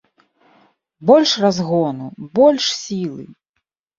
Больш разгону, больш сілы!